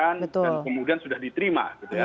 dan kemudian sudah diterima